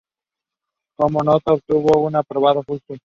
Como nota obtuvo un aprobado justo.